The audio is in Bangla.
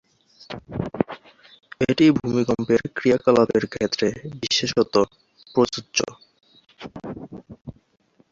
এটি ভূমিকম্পের ক্রিয়াকলাপের ক্ষেত্রে বিশেষত প্রযোজ্য।